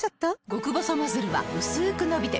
極細ノズルはうすく伸びて